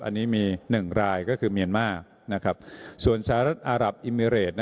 อันนี้มี๑รายก็คือเมียนมาร์ส่วนสหรัฐอารับอิมิเรต